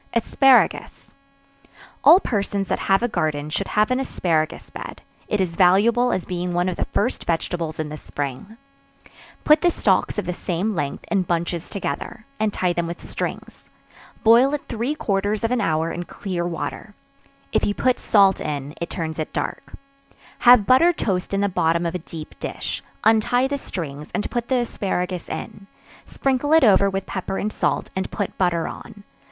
Asparagus. All persons that have a garden should have an asparagus bed; it is valuable as being one of the first vegetables in the spring. Put the stalks of the same length, in bunches together, and tie them with strings; boil it three quarters of an hour in clear water; (if you put salt in, it turns it dark;) have buttered toast in the bottom of a deep dish; untie the strings, and put the asparagus in; sprinkle it over with pepper and salt, and put butter on.